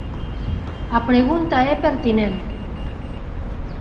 A pregunta é pertinente.